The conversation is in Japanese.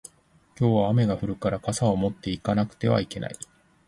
今日は雨が降るから傘を持って行かなくてはいけない